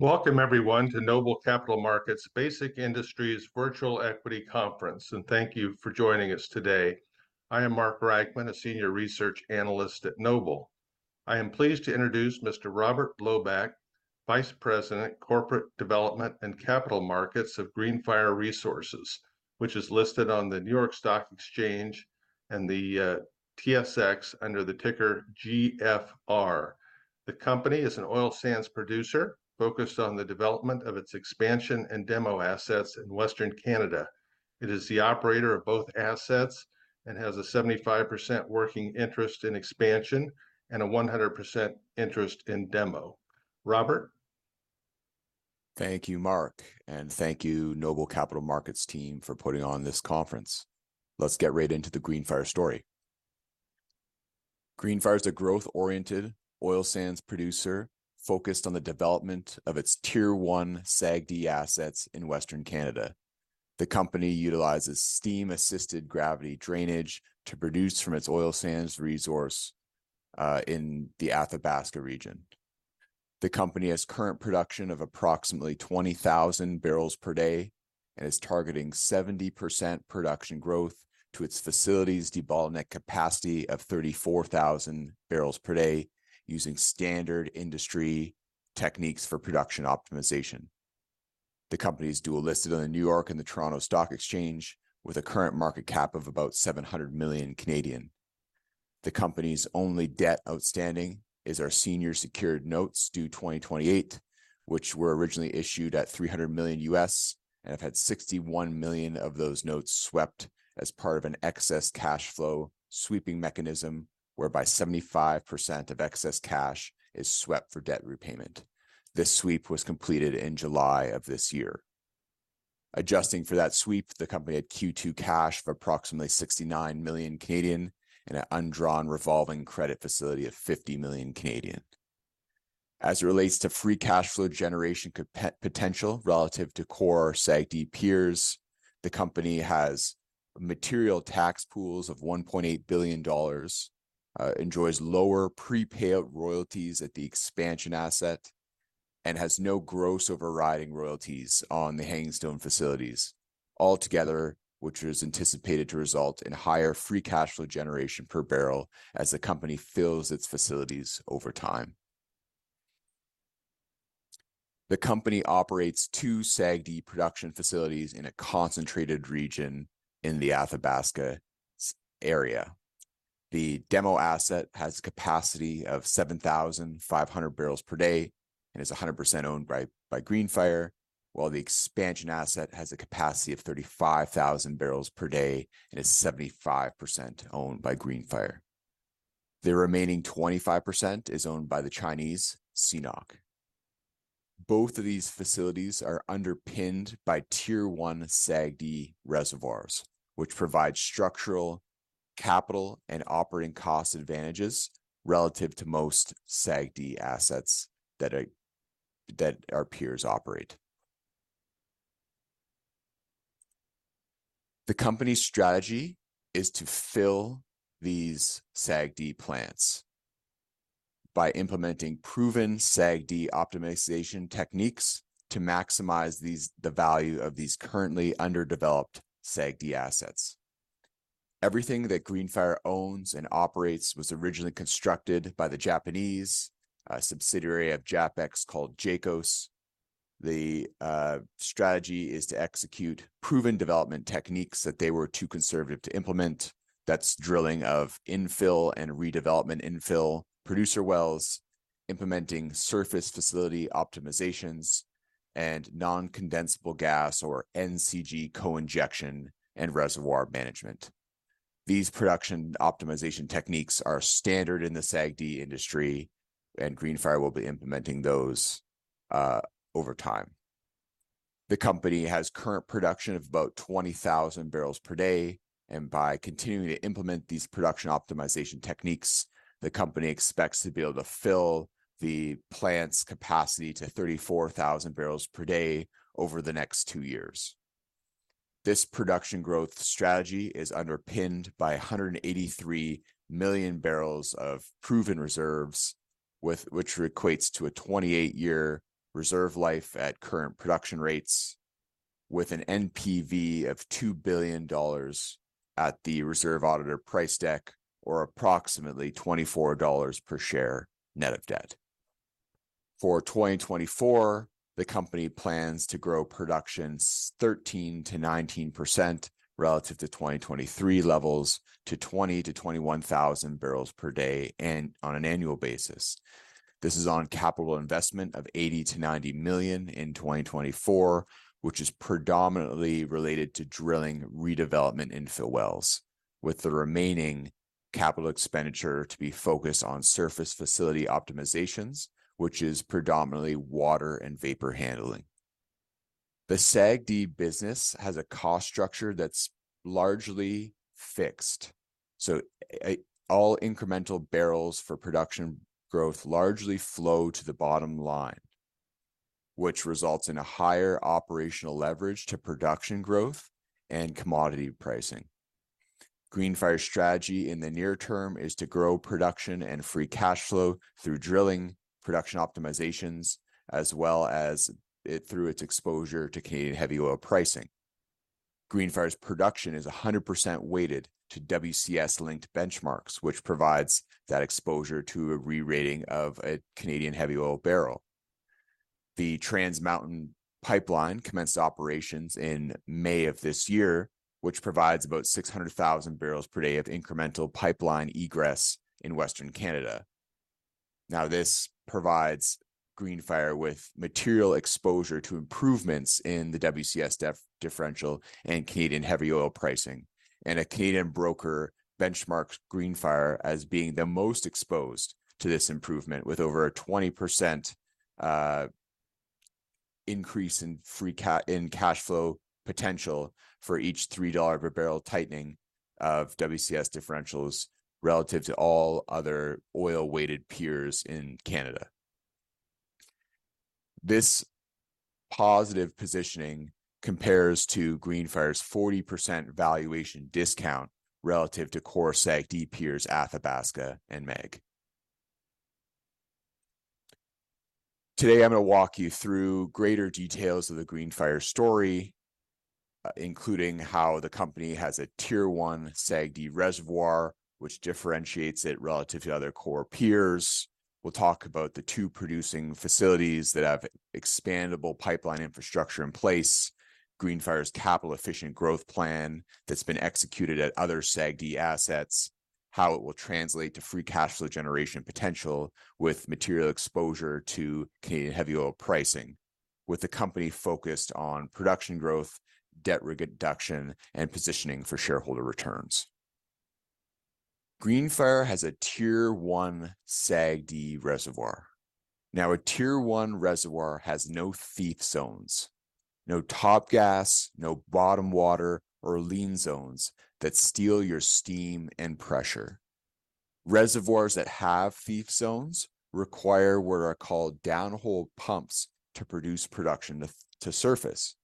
Welcome everyone to Noble Capital Markets Basic Industries Virtual Equity Conference and thank you for joining us today. I am Mark Reichman, a Senior Research Analyst at Noble. I am pleased to introduce Mr. Robert Loebach, Vice President, Corporate Development and Capital Markets of Greenfire Resources, which is listed on the New York Stock Exchange and the TSX under the ticker GFR. The company is an oil sands producer focused on the development of its Expansion and Demo Assets in Western Canada. It is the operator of both assets and has a 75% working interest in Expansion and a 100% interest in Demo. Robert? Thank you, Mark, and thank you, Noble Capital Markets team, for putting on this conference. Let's get right into the Greenfire story. Greenfire is a growth-oriented oil sands producer focused on the development of its Tier-1 SAGD assets in Western Canada. The company utilizes steam-assisted gravity drainage to produce from its oil sands resource in the Athabasca region. The company has current production of approximately 20,000 bpd and is targeting 70% production growth to its facility's debottleneck capacity of 34,000 bpd using standard industry techniques for production optimization. The company's dually listed on the New York and the Toronto Stock Exchange, with a current market cap of about 700 million. The company's only debt outstanding is our Senior Secured Notes due 2028, which were originally issued at $300 million US and have had 61 million of those notes swept as part of an excess cash flow sweeping mechanism, whereby 75% of excess cash is swept for debt repayment. This sweep was completed in July of this year. Adjusting for that sweep, the company had Q2 cash of approximately 69 million and an undrawn revolving credit facility of 50 million. As it relates to free cash flow generation capital potential relative to core SAGD peers, the company has material tax pools of 1.8 billion dollars, enjoys lower prepayout royalties at the Expansion Asset, and has no gross overriding royalties on the Hangingstone facilities, altogether, which is anticipated to result in higher free cash flow generation per barrel as the company fills its facilities over time. The company operates two SAGD production facilities in a concentrated region in the Athabasca sands area. The Demo Asset has a capacity of 7,500 bpd and is 100% owned by Greenfire, while the Expansion Asset has a capacity of 35,000 bpd and is 75% owned by Greenfire. The remaining 25% is owned by the Chinese CNOOC. Both of these facilities are underpinned by Tier-1 SAGD reservoirs, which provide structural capital and operating cost advantages relative to most SAGD assets that our peers operate. The company's strategy is to fill these SAGD plants by implementing proven SAGD optimization techniques to maximize the value of these currently underdeveloped SAGD assets. Everything that Greenfire owns and operates was originally constructed by the Japanese, a subsidiary of JAPEX called JACOS. The strategy is to execute proven development techniques that they were too conservative to implement. That's drilling of infill and redevelopment infill producer wells, implementing surface facility optimizations, and non-condensable gas or NCG co-injection and reservoir management. These production optimization techniques are standard in the SAGD industry, and Greenfire will be implementing those over time. The company has current production of about 20,000 bpd, and by continuing to implement these production optimization techniques, the company expects to be able to fill the plant's capacity to 34,000 bpd over the next two years. This production growth strategy is underpinned by 183 million bbl of proven reserves, which equates to a 28-year reserve life at current production rates, with an NPV of $2 billion at the reserve auditor price deck, or approximately $24 per share, net of debt. For 2024, the company plans to grow production 13%-19% relative to 2023 levels, to 20,000 bpd-21,000 bpd and on an annual basis. This is on capital investment of 80-90 million in 2024, which is predominantly related to drilling redevelopment infill wells, with the remaining capital expenditure to be focused on surface facility optimizations, which is predominantly water and vapor handling. The SAGD business has a cost structure that's largely fixed, so all incremental barrels for production growth largely flow to the bottom line, which results in a higher operational leverage to production growth and commodity pricing. Greenfire's strategy in the near term is to grow production and free cash flow through drilling, production optimizations, as well as through its exposure to Canadian heavy oil pricing. Greenfire's production is 100% weighted to WCS-linked benchmarks, which provides that exposure to a re-rating of a Canadian heavy oil barrel. The Trans Mountain Pipeline commenced operations in May of this year, which provides about 600,000 bpd of incremental pipeline egress in Western Canada. Now, this provides Greenfire with material exposure to improvements in the WCS differential and Canadian heavy oil pricing. And a Canadian broker benchmarks Greenfire as being the most exposed to this improvement, with over a 20% increase in free cash flow potential for each $3 per barrel tightening of WCS differentials relative to all other oil-weighted peers in Canada. This positive positioning compares to Greenfire's 40% valuation discount relative to core SAGD peers, Athabasca and MEG. Today, I'm gonna walk you through greater details of the Greenfire story, including how the company has a Tier-1 SAGD reservoir, which differentiates it relative to other core peers. We'll talk about the two producing facilities that have expandable pipeline infrastructure in place, Greenfire's capital-efficient growth plan that's been executed at other SAGD assets, how it will translate to free cash flow generation potential with material exposure to Canadian heavy oil pricing, with the company focused on production growth, debt reduction, and positioning for shareholder returns. Greenfire has a Tier-1 SAGD reservoir. Now, a Tier-1 reservoir has no thief zones, no top gas, no bottom water or lean zones that steal your steam and pressure. Reservoirs that have thief zones require what are called downhole pumps to produce production to surface.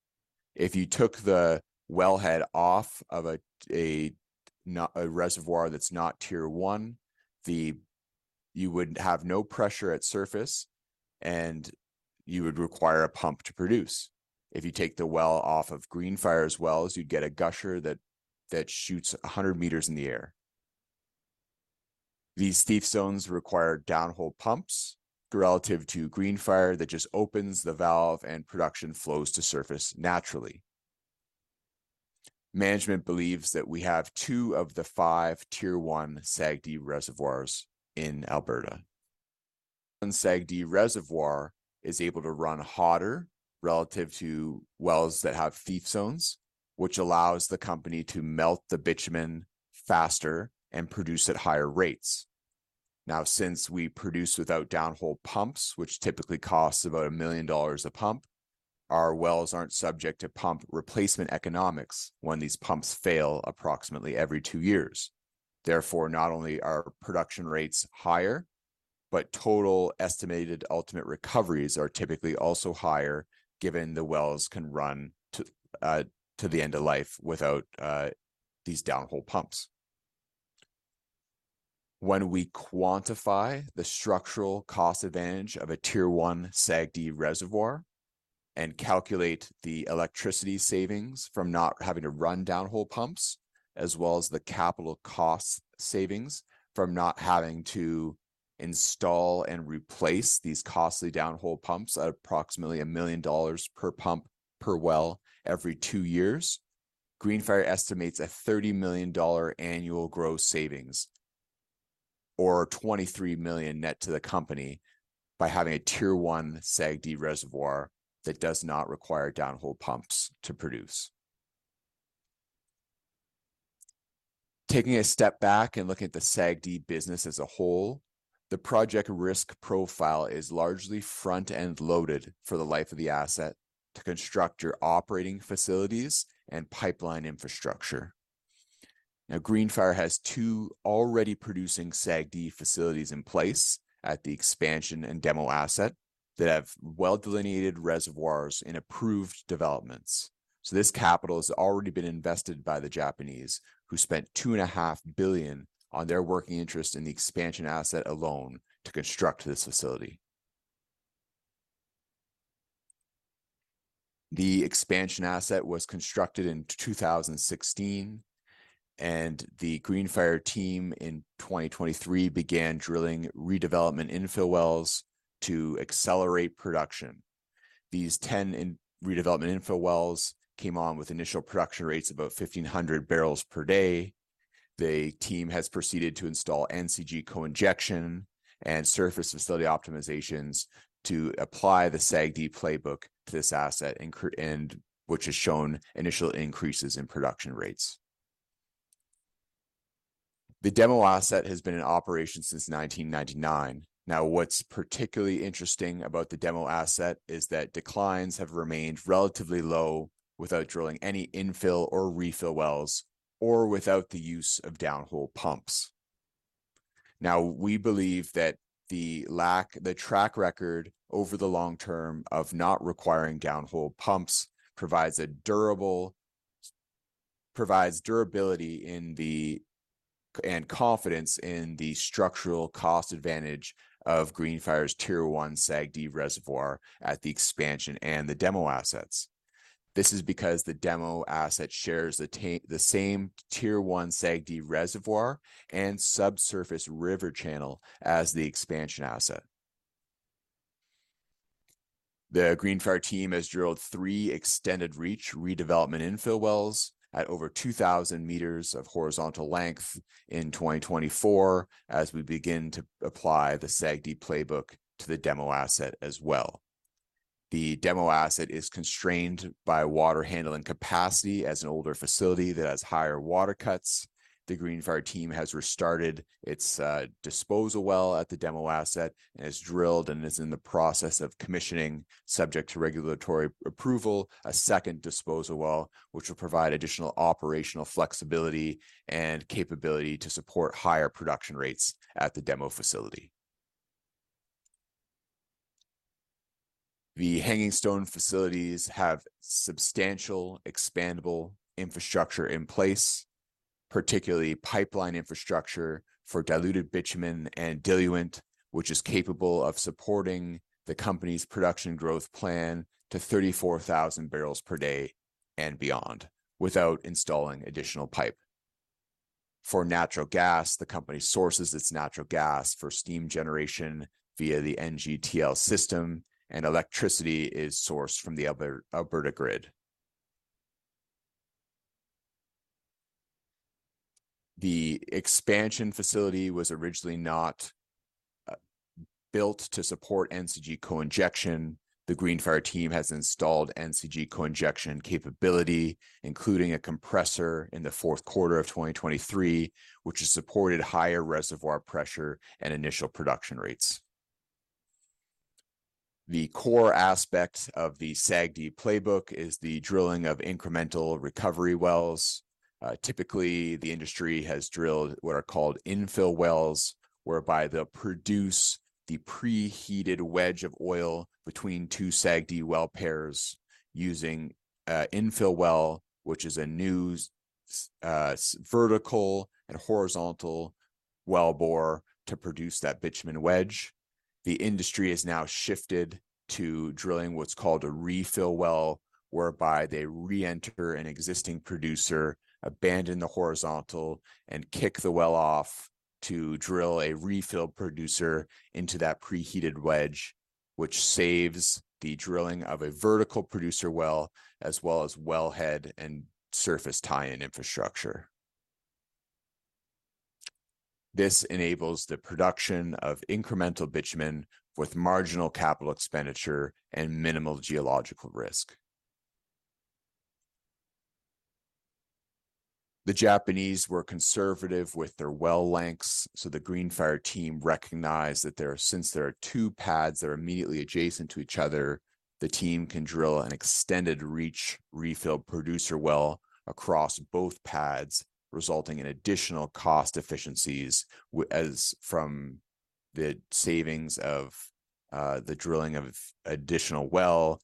If you took the wellhead off of a reservoir that's not Tier-1, you would have no pressure at surface, and you would require a pump to produce. If you take the well off of Greenfire's wells, you'd get a gusher that shoots 100 meters in the air. These thief zones require downhole pumps relative to Greenfire that just opens the valve and production flows to surface naturally. Management believes that we have two of the five Tier-1 SAGD reservoirs in Alberta. One SAGD reservoir is able to run hotter relative to wells that have thief zones, which allows the company to melt the bitumen faster and produce at higher rates. Now, since we produce without downhole pumps, which typically costs about 1 million dollars a pump, our wells aren't subject to pump replacement economics when these pumps fail approximately every two years. Therefore, not only are production rates higher, but total estimated ultimate recoveries are typically also higher, given the wells can run to the end of life without these downhole pumps. When we quantify the structural cost advantage of a Tier-1 SAGD reservoir and calculate the electricity savings from not having to run downhole pumps, as well as the capital cost savings from not having to install and replace these costly downhole pumps at approximately 1 million dollars per pump per well every two years, Greenfire estimates a 30 million dollar annual gross savings or 23 million net to the company by having a Tier-1 SAGD reservoir that does not require downhole pumps to produce. Taking a step back and looking at the SAGD business as a whole, the project risk profile is largely front-end loaded for the life of the asset to construct your operating facilities and pipeline infrastructure. Now, Greenfire has two already producing SAGD facilities in place at the Expansion and Demo Assets that have well-delineated reservoirs and approved developments. So, this capital has already been invested by the Japanese, who spent 2.5 billion on their working interest in the Expansion Asset alone to construct this facility. The Expansion Asset was constructed in 2016, and the Greenfire team in 2023 began drilling redevelopment infill wells to accelerate production. These 10 redevelopment infill wells came on with initial production rates about 1,500 bpd. The team has proceeded to install NCG co-injection and surface facility optimizations to apply the SAGD playbook to this asset and which has shown initial increases in production rates. The Demo Asset has been in operation since 1999. Now, what's particularly interesting about the Demo Asset is that declines have remained relatively low without drilling any infill or refill wells or without the use of downhole pumps. Now, we believe that the lack, the track record over the long term of not requiring downhole pumps provides durability in the, and confidence in the structural cost advantage of Greenfire's Tier-1 SAGD reservoir at the Expansion and the Demo Assets. This is because the Demo Asset shares the same Tier-1 SAGD reservoir and subsurface river channel as the Expansion Asset. The Greenfire team has drilled three extended reach redevelopment infill wells at over 2,000 meters of horizontal length in 2024 as we begin to apply the SAGD playbook to the Demo Asset as well. The Demo Asset is constrained by water handling capacity as an older facility that has higher water cuts. The Greenfire team has restarted its disposal well at the Demo Asset and has drilled and is in the process of commissioning, subject to regulatory approval, a second disposal well, which will provide additional operational flexibility and capability to support higher production rates at the Demo Asset. The Hangingstone Facilities have substantial expandable infrastructure in place, particularly pipeline infrastructure for diluted bitumen and diluent, which is capable of supporting the company's production growth plan to 34,000 bpd and beyond, without installing additional pipe. For natural gas, the company sources its natural gas for steam generation via the NGTL System, and electricity is sourced from the other, Alberta grid. The expansion facility was originally not built to support NCG co-injection. The Greenfire team has installed NCG co-injection capability, including a compressor in the fourth quarter of 2023, which has supported higher reservoir pressure and initial production rates. ' The core aspect of the SAGD playbook is the drilling of incremental recovery wells. Typically, the industry has drilled what are called infill wells, whereby they produce the preheated wedge of oil between two SAGD well pairs using infill well, which is a new vertical and horizontal wellbore to produce that bitumen wedge. The industry has now shifted to drilling what's called a refill well, whereby they reenter an existing producer, abandon the horizontal, and kick the well off to drill a refill producer into that preheated wedge, which saves the drilling of a vertical producer well, as well as wellhead and surface tie-in infrastructure. This enables the production of incremental bitumen with marginal capital expenditure and minimal geological risk. The Japanese were conservative with their well lengths, so the Greenfire team recognized that since there are two pads that are immediately adjacent to each other, the team can drill an extended reach refill producer well across both pads, resulting in additional cost efficiencies, as from the savings of the drilling of additional well,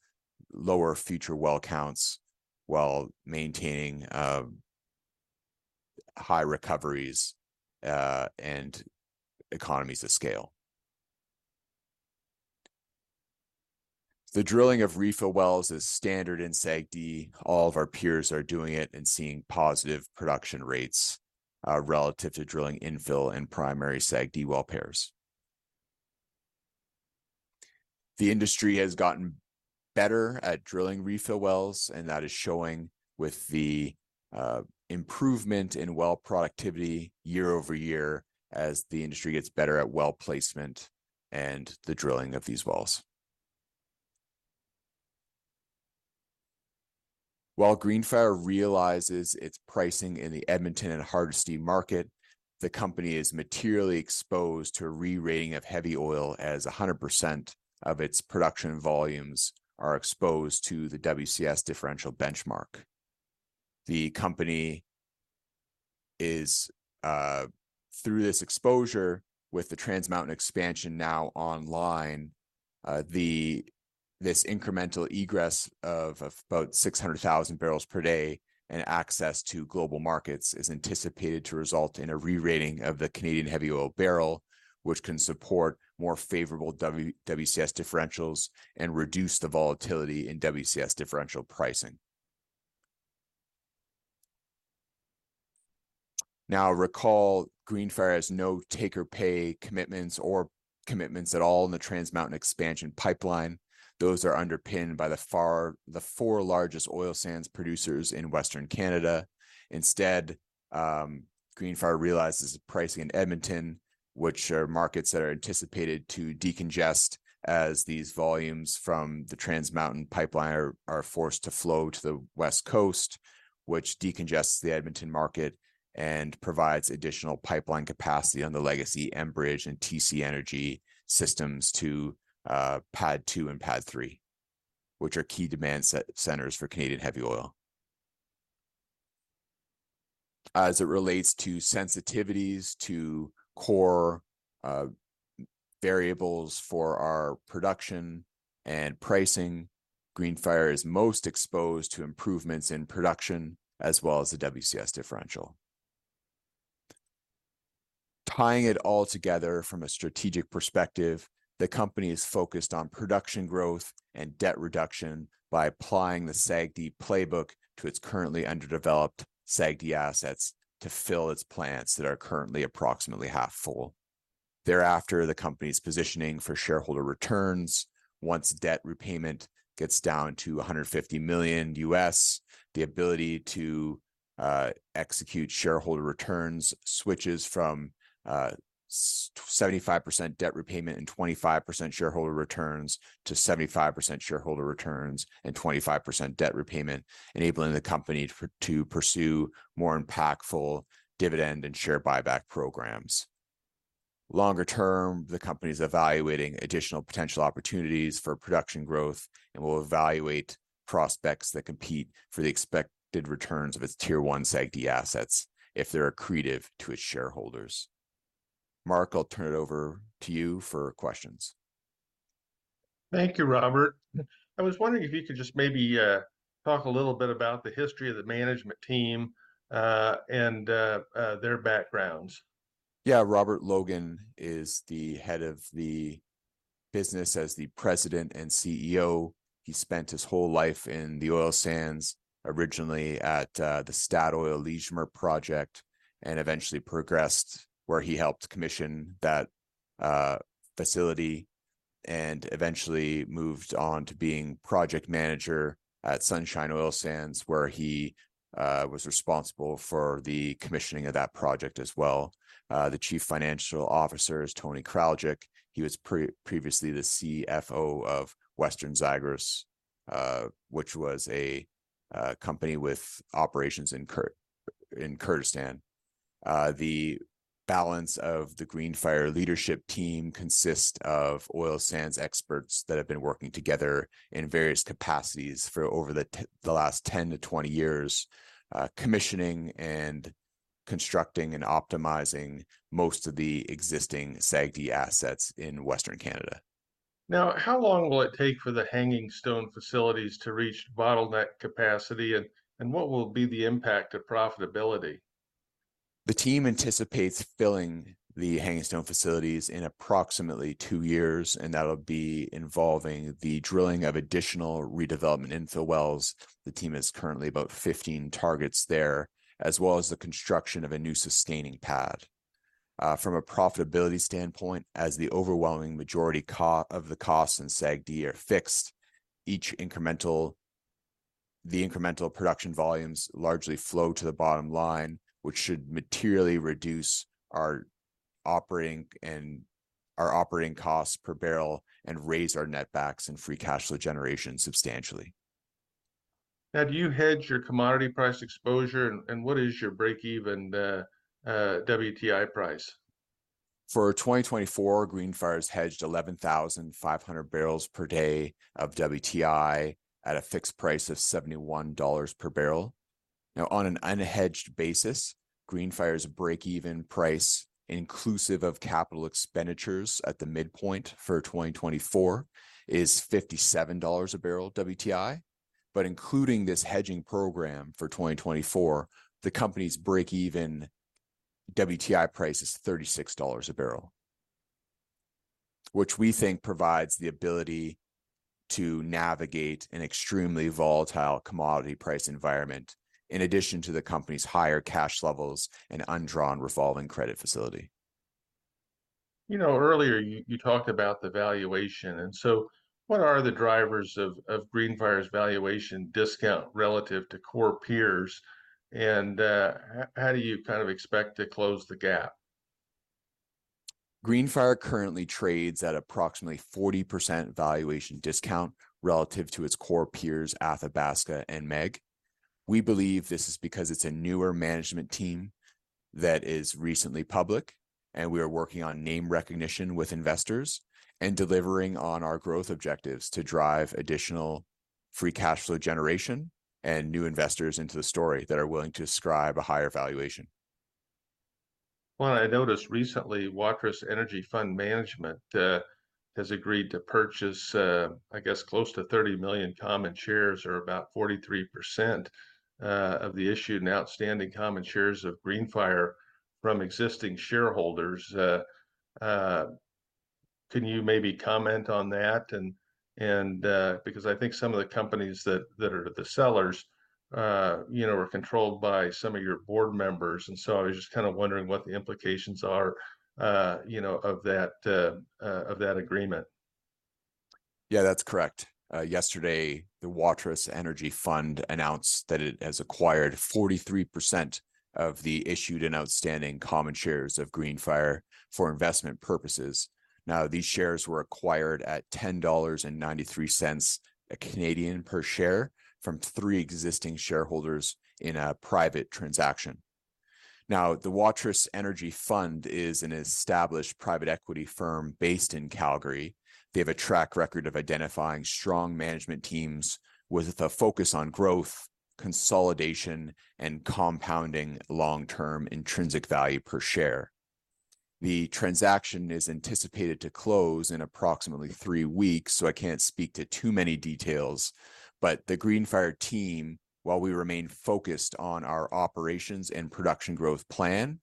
lower future well counts, while maintaining high recoveries and economies of scale. The drilling of refill wells is standard in SAGD. All of our peers are doing it and seeing positive production rates relative to drilling infill and primary SAGD well pairs. The industry has gotten better at drilling refill wells, and that is showing with the improvement in well productivity year-over-year as the industry gets better at well placement and the drilling of these wells. While Greenfire realizes its pricing in the Edmonton and Hardisty market, the company is materially exposed to re-rating of heavy oil, as 100% of its production volumes are exposed to the WCS differential benchmark. The company is through this exposure, with the Trans Mountain expansion now online, this incremental egress of about 600,000 bpd and access to global markets is anticipated to result in a re-rating of the Canadian heavy oil barrel, which can support more favorable WCS differentials and reduce the volatility in WCS differential pricing. Now, recall, Greenfire has no take-or-pay commitments or commitments at all in the Trans Mountain expansion pipeline. Those are underpinned by the four largest oil sands producers in Western Canada. Instead, Greenfire realizes pricing in Edmonton, which are markets that are anticipated to decongest as these volumes from the Trans Mountain Pipeline are forced to flow to the West Coast, which decongests the Edmonton market and provides additional pipeline capacity on the Legacy Enbridge and TC Energy systems to PADD 2 and PADD 3, which are key demand centers for Canadian heavy oil. As it relates to sensitivities to core variables for our production and pricing, Greenfire is most exposed to improvements in production, as well as the WCS differential. Tying it all together from a strategic perspective, the company is focused on production growth and debt reduction by applying the SAGD playbook to its currently underdeveloped SAGD assets to fill its plants that are currently approximately half full. Thereafter, the company's positioning for shareholder returns, once debt repayment gets down to $150 million, the ability to execute shareholder returns switches from 75% debt repayment and 25% shareholder returns to 75% shareholder returns and 25% debt repayment, enabling the company to pursue more impactful dividend and share buyback programs. Longer term, the company's evaluating additional potential opportunities for production growth and will evaluate prospects that compete for the expected returns of its Tier 1 SAGD assets if they're accretive to its shareholders. Mark, I'll turn it over to you for questions. Thank you, Robert. I was wondering if you could just maybe talk a little bit about the history of the management team, and their backgrounds. Yeah, Robert Logan is the Head of the business as the President and CEO. He spent his whole life in the oil sands, originally at the Statoil Leismer Project, and eventually progressed, where he helped commission that facility, and eventually moved on to being project manager at Sunshine Oil Sands, where he was responsible for the commissioning of that project as well. The Chief Financial Officer is Tony Kraljic. He was previously the CFO of WesternZagros, which was a company with operations in Kurdistan. The balance of the Greenfire leadership team consists of oil sands experts that have been working together in various capacities for over the last ten to twenty years, commissioning and constructing and optimizing most of the existing SAGD assets in Western Canada. Now, how long will it take for the Hangingstone Facilities to reach bottleneck capacity, and what will be the impact to profitability? The team anticipates filling the Hangingstone facilities in approximately two years, and that'll be involving the drilling of additional redevelopment infill wells. The team has currently about 15 targets there, as well as the construction of a new sustaining pad. From a profitability standpoint, as the overwhelming majority of the costs in SAGD are fixed, the incremental production volumes largely flow to the bottom line, which should materially reduce our operating costs per barrel and raise our netbacks and free cash flow generation substantially. Now, do you hedge your commodity price exposure, and what is your break-even WTI price? For 2024, Greenfire's hedged 11,500 bpd of WTI at a fixed price of $71 per barrel. Now, on an unhedged basis, Greenfire's break-even price, inclusive of capital expenditures at the midpoint for 2024, is $57 a barrel WTI. But including this hedging program for 2024, the company's break-even WTI price is $36 a barrel, which we think provides the ability to navigate an extremely volatile commodity price environment, in addition to the company's higher cash levels and undrawn revolving credit facility. You know, earlier, you talked about the valuation, and so what are the drivers of Greenfire's valuation discount relative to core peers? And how do you kind of expect to close the gap? Greenfire currently trades at approximately 40% valuation discount relative to its core peers, Athabasca and MEG. We believe this is because it's a newer management team that is recently public, and we are working on name recognition with investors and delivering on our growth objectives to drive additional free cash flow generation and new investors into the story that are willing to ascribe a higher valuation. I noticed recently, Waterous Energy Fund has agreed to purchase, I guess, close to 30 million common shares, or about 43% of the issued and outstanding common shares of Greenfire from existing shareholders. Can you maybe comment on that? Because I think some of the companies that are the sellers, you know, are controlled by some of your board members, and so I was just kind of wondering what the implications are, you know, of that agreement. Yeah, that's correct. Yesterday, the Waterous Energy Fund announced that it has acquired 43% of the issued and outstanding common shares of Greenfire for investment purposes. Now, these shares were acquired at 10.93 dollars per share, from three existing shareholders in a private transaction. Now, the Waterous Energy Fund is an established private equity firm based in Calgary. They have a track record of identifying strong management teams with a focus on growth, consolidation, and compounding long-term intrinsic value per share. The transaction is anticipated to close in approximately three weeks, so I can't speak to too many details. But the Greenfire team, while we remain focused on our operations and production growth plan,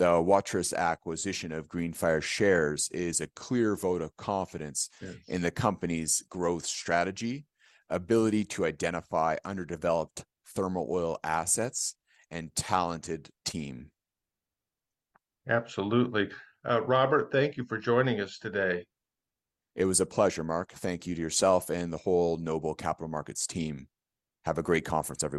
the Waterous acquisition of Greenfire shares is a clear vote of confidence. Yes... in the company's growth strategy, ability to identify underdeveloped thermal oil assets, and talented team. Absolutely. Robert, thank you for joining us today. It was a pleasure, Mark. Thank you to yourself and the whole Noble Capital Markets team. Have a great conference, everyone.